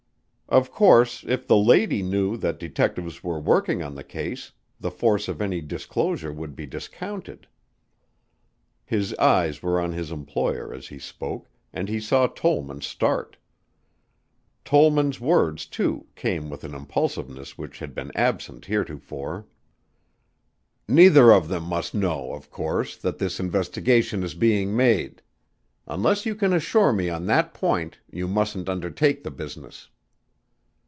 "Of course if the lady knew that detectives were working on the case, the force of any disclosure would be discounted." His eyes were on his employer as he spoke and he saw Tollman start. Tollman's words, too, came with an impulsiveness which had been absent heretofore. "Neither of them must know, of course, that this investigation is being made. Unless you can assure me on that point you mustn't undertake the business."